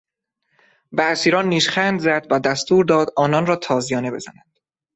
به اسیران نیشخند زد و دستور داد آنان را تازیانه بزنند.